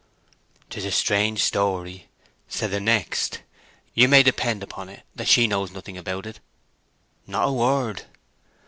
"'Tis a strange story," said the next. "You may depend upon't that she knows nothing about it." "Not a word."